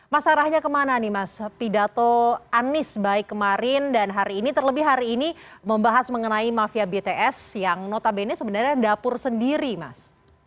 mas arahnya kemana nih mas pidato anies baik kemarin dan hari ini terlebih hari ini membahas mengenai mafia bts yang notabene sebenarnya dapur sendiri mas